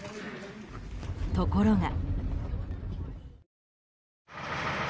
ところが。